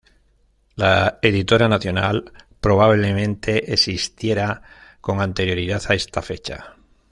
La Editora Nacional probablemente existiera con anterioridad a esta fecha.